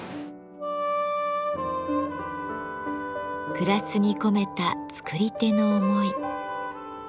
グラスに込めた作り手の思い。